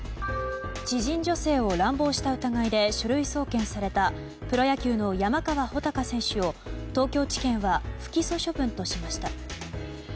知人女性を乱暴した疑いで書類送検されたプロ野球の山川穂高選手を東京地検は不起訴処分としました。